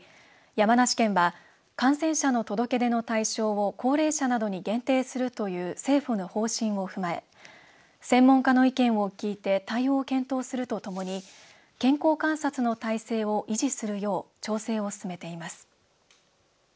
山梨県は感染者の届け出の対象を高齢者などに限定するという政府の方針を踏まえ専門家の意見を聞いて対応を検討するとともに健康観察の体制を維持するよう調整を進めています。